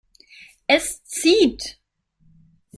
Es zieht.